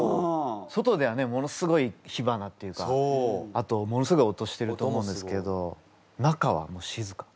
外ではねものすごい火花っていうかあとものすごい音してると思うんですけど中は静か。